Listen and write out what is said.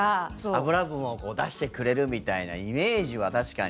脂分を出してくれるみたいなイメージは確かに。